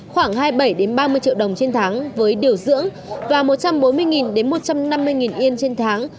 khoảng hai mươi bảy ba mươi triệu đồng trên tháng với điều dưỡng và một trăm bốn mươi một trăm năm mươi yên trên tháng